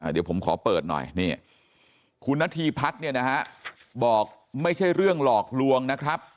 เดี๋ยวผมขอเปิดหน่อยนี่คุณนาธีพัฒน์เนี่ยนะฮะบอกไม่ใช่เรื่องหลอกลวงนะครับ